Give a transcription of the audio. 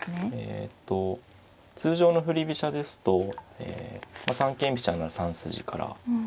えと通常の振り飛車ですと三間飛車には３筋から。